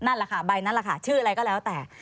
นั่นแหละค่ะใบนั้นแหละค่ะชื่ออะไรก็แล้วแต่